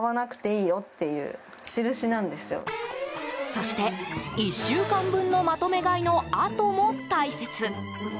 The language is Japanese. そして１週間分のまとめ買いのあとも大切。